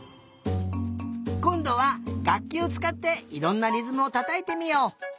こんどはがっきをつかっていろんなりずむをたたいてみよう！